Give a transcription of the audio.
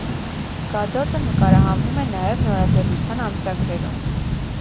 Գադոտը նկարահանվում է նաև նորաձևության ամսագրերում։